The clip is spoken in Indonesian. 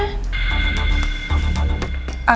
aku keluar sebentar ya